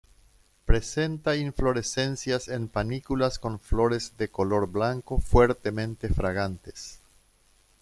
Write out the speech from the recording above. Presenta inflorescencias en panículas con flores de color blanco fuertemente fragantes.